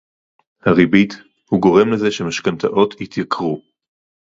הריבית, הוא גורם לזה שמשכנתאות יתייקרו